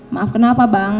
maaf kenapa bang